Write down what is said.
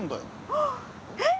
あっえっ？